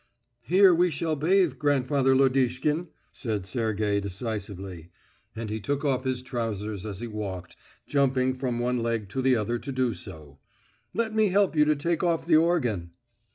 "Here we shall bathe, grandfather Lodishkin," said Sergey decisively. And he took off his trousers as he walked, jumping from one leg to the other to do so. "Let me help you to take off the organ."